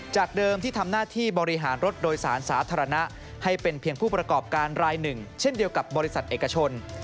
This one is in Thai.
จากเดิมที่ทำหน้าที่บริหารรถโดยสารสาธารณะให้เป็นเพียงผู้ประกอบการรายหนึ่งเช่นเดียวกับบริษัทเอกชน